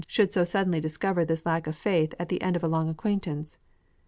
} (411) should so suddenly discover this lack of faith at the end of a long acquaintance.